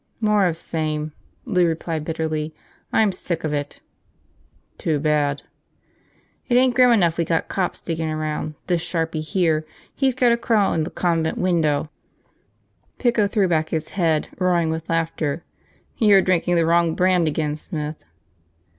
"More of same," Lou replied bitterly. "I'm sick of it." "Too bad." "It ain't grim enough we got cops diggin' around, this sharpie here, he's gotta crawl in the convent window!" Pico threw back his head, roaring with laughter. "You're drinking the wrong brand again, Smith."